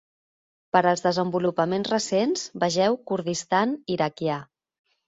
Per als desenvolupaments recents, vegeu "Kurdistan iraquià".